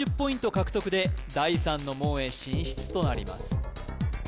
獲得で第三の門へ進出となります